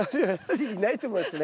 いないと思いますね。